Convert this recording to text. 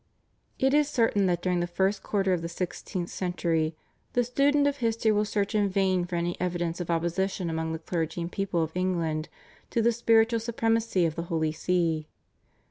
It is certain that during the first quarter of the sixteenth century the student of history will search in vain for any evidence of opposition among the clergy and people of England to the spiritual supremacy of the Holy See.